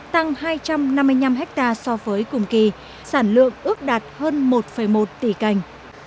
tăng hai trăm năm mươi năm hectare so với cùng kỳ sản lượng ước đạt hơn một một tỷ cành